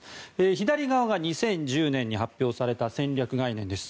左側が２０１０年に発表された戦略概念です。